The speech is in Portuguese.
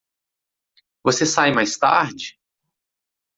Você sai mais tarde?